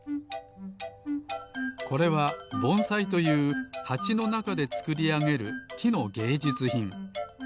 これはぼんさいというはちのなかでつくりあげるきのげいじゅつひん。